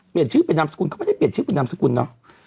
เปลี่ยนชื่อเป็นนามสกุลเขาไม่ได้เปลี่ยนชื่อคุณนามสกุลเนาะ